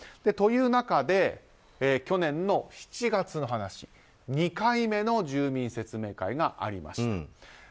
という中で、去年の７月の話２回目の住民説明会がありました。